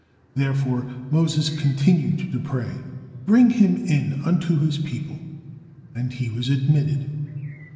Therefore Moses continued to pray: "Bring him in unto his people," and he was admitted.